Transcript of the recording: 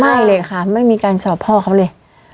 ไม่เลยค่ะไม่มีการสอบพ่อเขาเลย